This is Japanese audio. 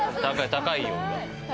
高いよ。